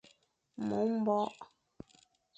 Mo mbore.